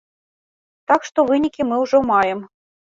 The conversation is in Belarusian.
Так што вынікі мы ўжо маем.